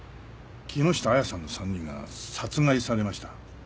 木下亜矢さんの３人が殺害されました。